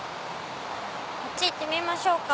こっち行ってみましょうか。